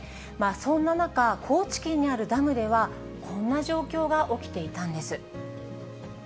そんな中、高知県にあるダムでは、こんな状況が起きていたんです。